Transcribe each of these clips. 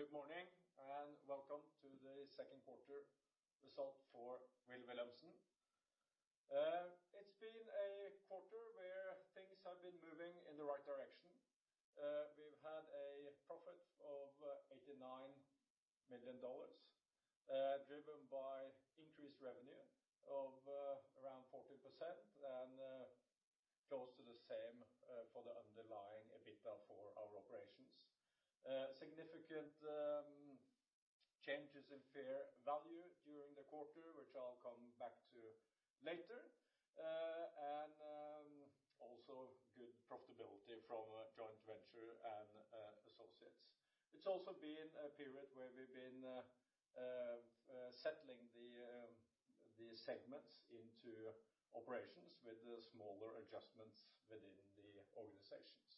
Good morning and welcome to the second quarter result for Wilh. Wilhelmsen. It's been a quarter where things have been moving in the right direction. We've had a profit of $89 million, driven by increased revenue of around 14% and close to the same for the underlying EBITDA for our operations. Significant changes in fair value during the quarter, which I'll come back to later. Also, good profitability from joint venture and associates. It's also been a period where we've been settling the segments into operations with smaller adjustments within the organizations.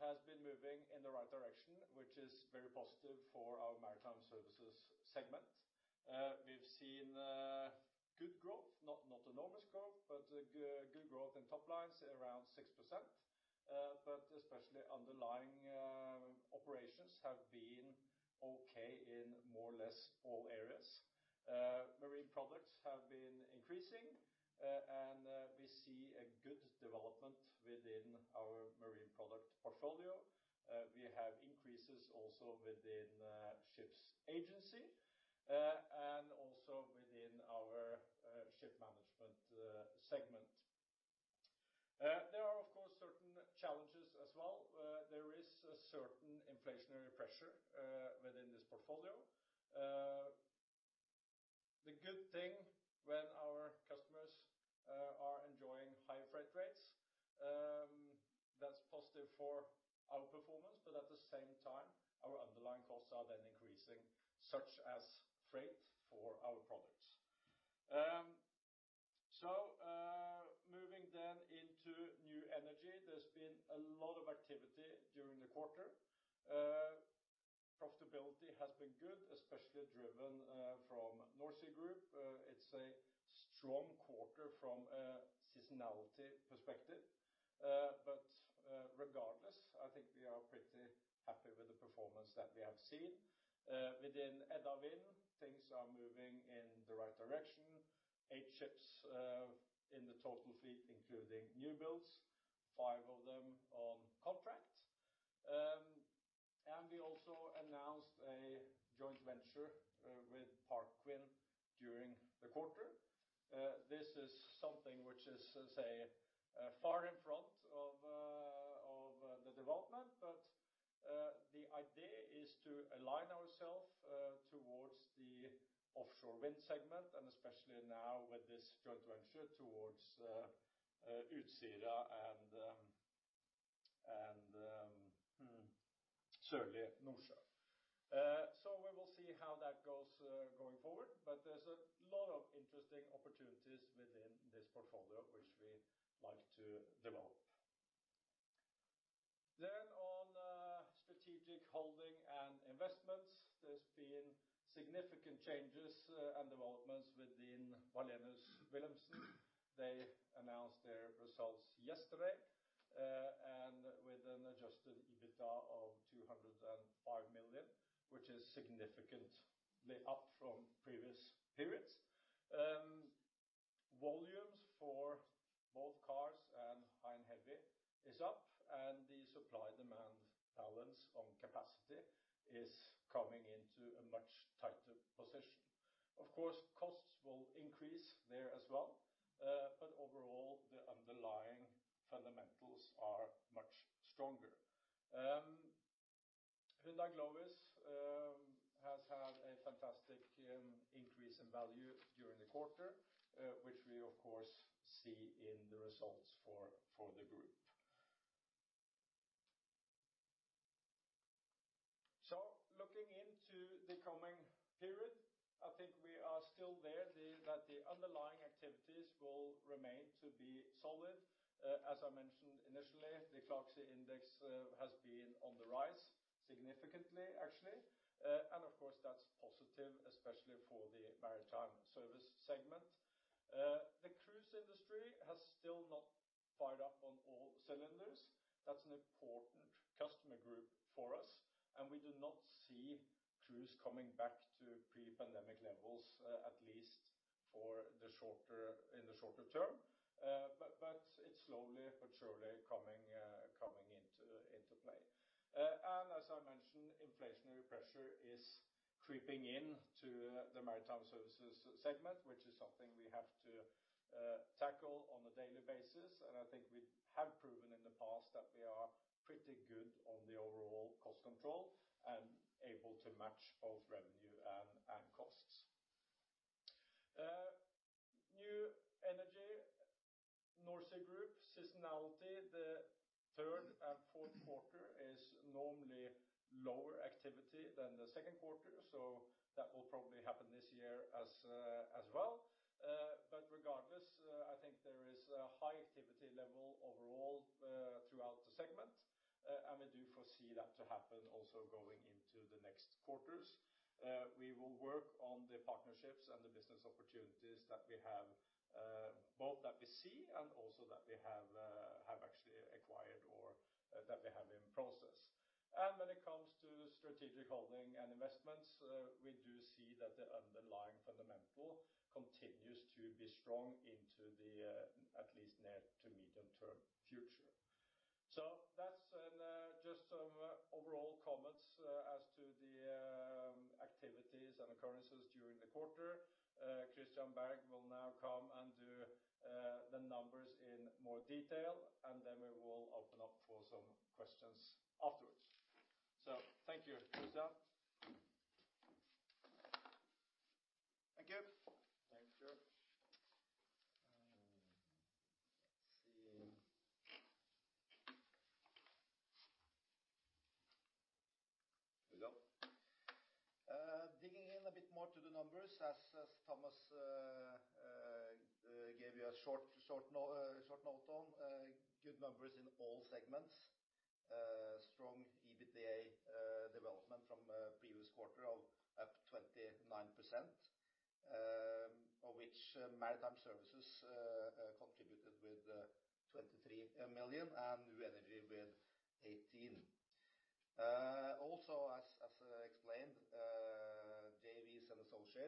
World trade and ClarkSea Index has been moving in the right direction, which is very positive for our Maritime Services segment. We've seen good growth, not enormous growth, but good growth in top lines around 6%. Especially underlying operations have been okay in more or less all areas. Marine products have been increasing, and we see a good development within our marine product portfolio. We have increases also within ships agency, and also within our ship management segment. There are, of course, certain challenges as well. There is a certain inflationary pressure within this portfolio. The good thing when our customers are enjoying higher freight rates, that's positive for our performance. At the same time, our underlying costs are then increasing, such as freight for our products. Moving then into New Energy. There's been a lot of activity during the quarter. Profitability has been good, especially driven from NorSea Group. It's a strong quarter from a seasonality perspective. Regardless, I think we are pretty happy with the performance that we have seen. Within Edda Wind, things are moving in the right direction. Eight ships in the total fleet, including new builds, five of them on contract. We also announced a joint venture with Parkwind during the quarter. This is something which is, say, far in front of the development, but the idea is to align ourself towards the offshore wind segment and especially now with this joint venture towards Utsira and Sørlige Nordsjø. We will see how that goes going forward. There's a lot of interesting opportunities within this portfolio which we like to develop. On strategic holding and investments. There's been significant changes and developments within Wallenius Wilhelmsen. They announced their results yesterday, and with an adjusted EBITDA of $205 million, which is significantly up from previous periods. Volumes for both cars and high and heavy is up, and the supply-demand balance on capacity is coming into a much tighter position. Of course, costs will increase there as well, but overall, the underlying fundamentals are much stronger. Hyundai Glovis has had a fantastic increase in value during the quarter, which we of course see in the results for the group. Looking into the coming period, I think we are still there, that the underlying activities will remain to be solid. As I mentioned initially, the ClarkSea Index has been on the rise significantly, actually. Of course, that's positive, especially for the Maritime Services segment. The cruise industry has still not fired up on all cylinders. That's an important customer group for us, and we do not see cruise coming back to pre-pandemic levels, at least in the shorter term. It's slowly but surely coming into play. As I mentioned, inflationary pressure is creeping in to the Maritime Services segment, which is something we have to tackle on a daily basis, and I think we have proven in the past that we are pretty good on the overall cost control and able to match both revenue and costs. New Energy, NorSea Group seasonality, the third and fourth quarter is normally lower activity than the second quarter, so that will probably happen this year as well. Regardless, I think there is a high activity level overall throughout the segment, and we do foresee that to happen also going into the next quarters. We will work on the partnerships and the business opportunities that we have, both that we see and also that we have actually acquired or that we have in process. When it comes to strategic holding and investments, we do see that the underlying fundamental continues to be strong into at least near- to medium-term future. That's just some overall comments as to the activities and occurrences during the quarter. Christian Berg will now come and do the numbers in more detail, and then we will open up for some questions afterwards. Thank you. Christian. Thank you. Thank you. Let's see. Here we go. Digging in a bit more to the numbers as Thomas gave you a short note on. Good numbers in all segments. Strong EBITDA development from previous quarter of up 29%, of which Maritime Services contributed with $23 million and New Energy with $18 million. Also, as explained,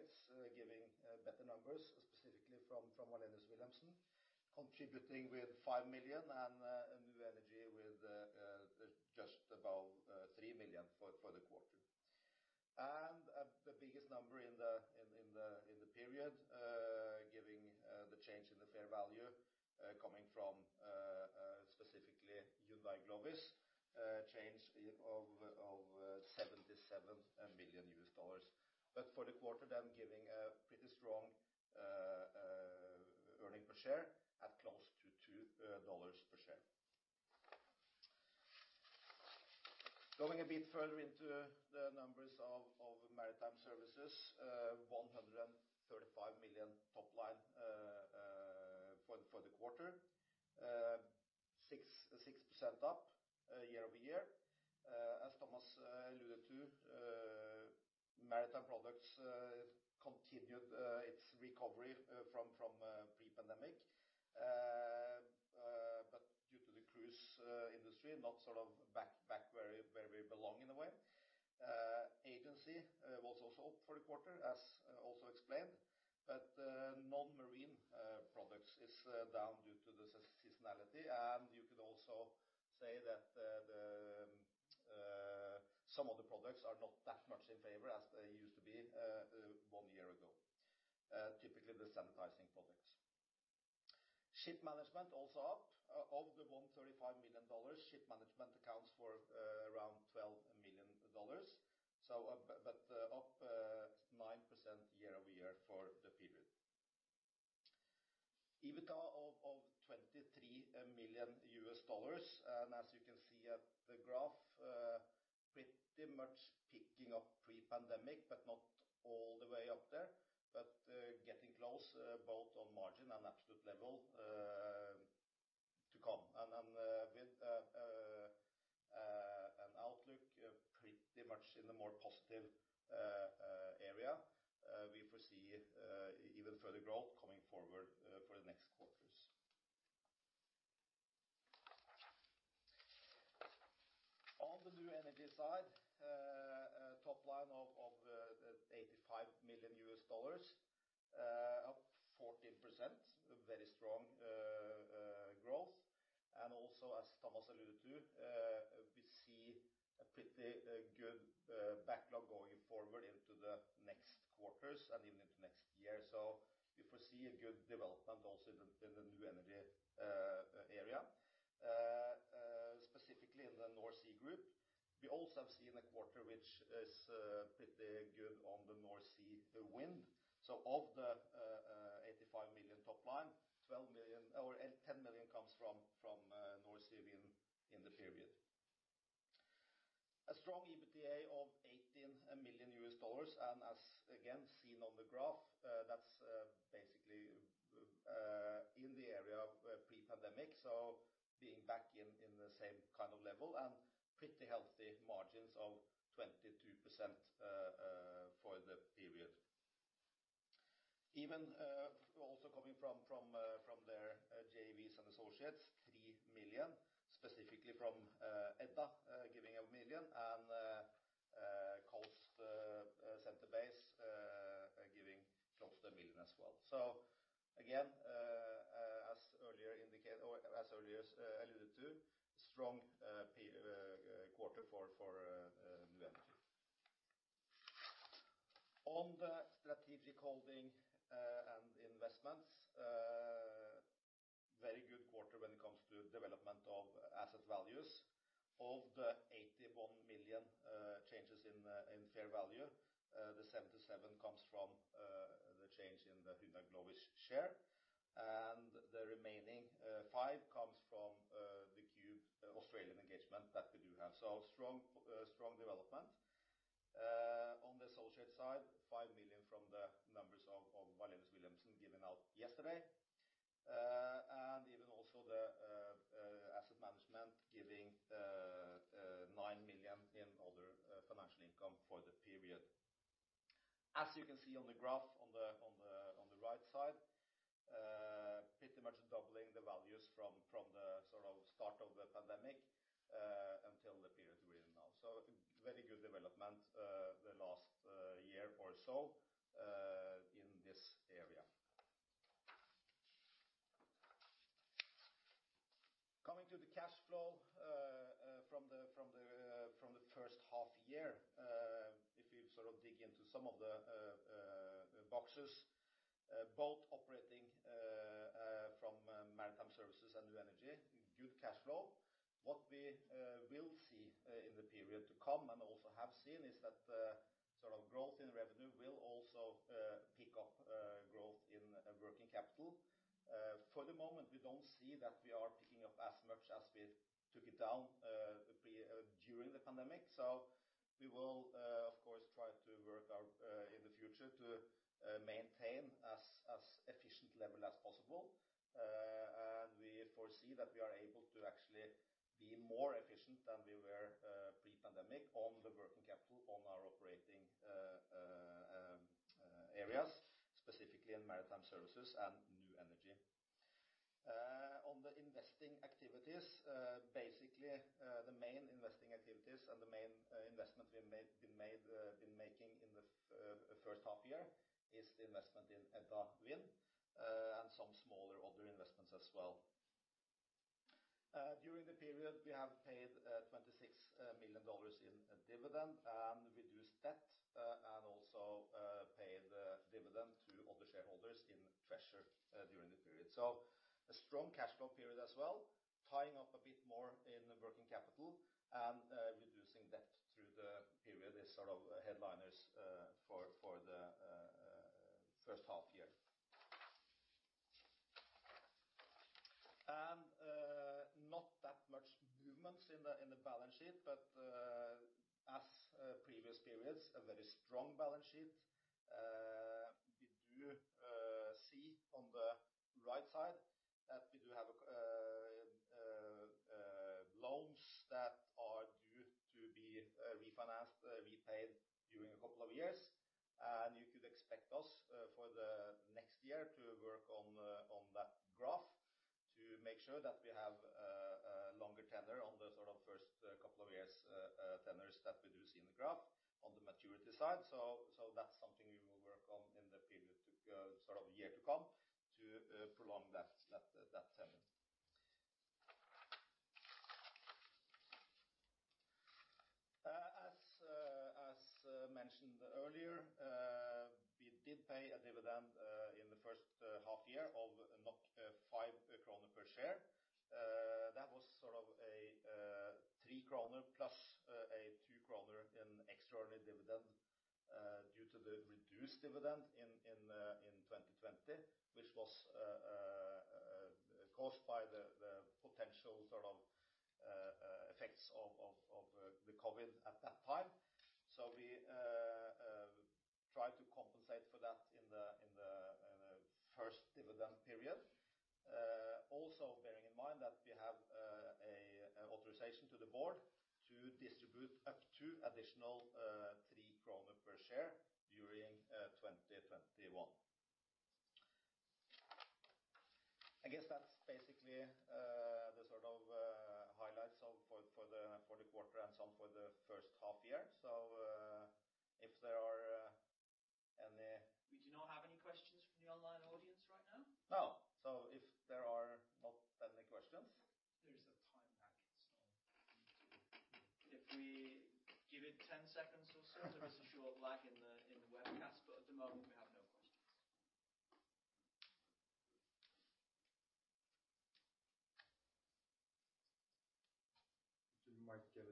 JVs and associates giving better numbers specifically from Wallenius Wilhelmsen contributing with $5 million and New Energy with just about $3 million for the quarter. The biggest number in the period, giving the change in the fair value, coming from specifically Hyundai Glovis, change of $77 million. For the quarter, them giving a pretty strong earning per share at close to $2 per share. Going a bit further into the numbers of Maritime Services, $135 million top line for the quarter, 6% up year-over-year. As Thomas alluded to, Maritime products continued its recovery from pre-pandemic, but due to the cruise industry not back where we belong in a way. Agency was also up for the quarter as also explained, but non-marine products is down due to the seasonality and you could also say that some of the products are not that much in favor as they used to be one year ago, typically the sanitizing products. Ship management also up. Of the $135 million, ship management accounts for around $12 million, but up 9% year-over-year for the period. EBITDA of $23 million. As you can see at the graph pretty much picking up pre-pandemic, but not all the way up there, but getting close both on margin and absolute level to come. With an outlook pretty much in the more positive area, we foresee even further growth coming forward for the next quarters. On the New Energy side, top line of $85 million, up 14%, very strong growth. Also, as Thomas alluded to, we see a pretty good backlog going forward into the next quarters and even into next year. We foresee a good development also in the New Energy area, specifically in the NorSea Group. We also have seen a quarter which is pretty good on the NorSea Wind. Of the $85 million top line, $12 million or $10 million comes from NorSea Wind in the period. A strong EBITDA of $18 million. As again, seen on the graph, that's basically in the area of pre-pandemic, so being back in the same kind of level, and pretty healthy margins of 22% for the period. Even also coming from their JVs and associates, $3 million specifically from Edda giving $1 million and Coast Center Base giving close to $1 million as well. Again, as earlier alluded to, strong quarter for New Energy. On the strategic holding and investments, very good quarter when it comes to development of asset values. Of the $81 million changes in fair value, the $77 million comes from the change in the Hyundai Glovis share, and the remaining $5 million comes from the Qube Australian engagement that we do have so strong development. On the associate side, $5 million from the numbers of Wallenius Wilhelmsen given out yesterday. Even also the asset management giving $9 million in other financial income for the period. As you can see on the graph on the right side, pretty much doubling the values from the start of the pandemic until the period we're in now. Very good development the last year or so in this area. Coming to the cash flow from the first half year. If you dig into some of the boxes, both operating from Maritime Services and New Energy, good cash flow. What we will see in the period to come and also have seen is that growth in revenue will also pick up growth in working capital. For the moment, we don't see that we are picking up as much as we took it down during the pandemic. We will, of course, try to work out in the future to maintain as efficient level as possible. We foresee that we are able to actually be more efficient than we were pre-pandemic on the working capital on our operating areas, specifically in Maritime Services and New Energy. On the investing activities, basically, the main investing activities and the main investment we've been making in the first half year is the investment in Edda Wind and some smaller other investments as well. During the period, we have paid $26 million in dividend and reduced debt and also paid dividend to all the shareholders in treasury during the period. A strong cash flow period as well, tying up a bit more in working capital and reducing debt through the period is sort of the headliners for the first half year. Not that much movements in the balance sheet, but as previous periods, a very strong balance sheet. We do see on the right side that we do have loans that are due to be refinanced, repaid during a couple of years. You could expect us for the next year to work on that graph to make sure that we have a longer tenor on the first couple of years tenors that we do see in the graph on the maturity side. That's something we will work on in the year to come to prolong that tenor. As mentioned earlier, we did pay a dividend in the first half year of 5 kroner per share. That was sort of a 3 kroner plus a 2 kroner in extraordinary dividend due to the reduced dividend in 2020, which was caused by the potential effects of the COVID at that time. We try to compensate for that in the first dividend period. Also bearing in mind that we have an authorization to the board to distribute up to additional 3 kroner per share during 2021. I guess that's basically the highlights for the quarter and some for the first half year. We do not have any questions from the online audience right now. Oh. If there are not any questions. There is a time lag, if we give it 10 seconds or so. There is a short lag in the webcast, at the moment we have no questions. We might give it some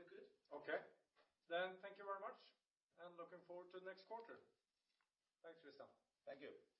time. No? Any questions on that? No, I think we're good. Okay. Thank you very much and looking forward to next quarter. Thanks, Tristan. Thank you.